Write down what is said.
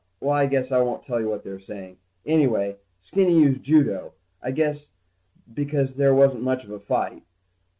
Well, I guess I won't tell you what they were saying. Anyway, Skinny used judo, I guess, because there wasn't much of a fight.